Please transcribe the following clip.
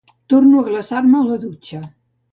Torno a glaçar-me a la dutxa.